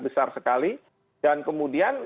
besar sekali dan kemudian